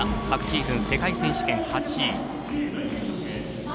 昨シーズン、世界選手権８位。